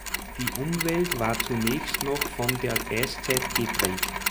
Die Umwelt war zunächst noch von der Eiszeit geprägt.